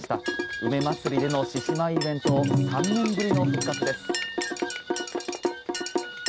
梅まつりでの獅子舞イベント３年ぶりの復活です。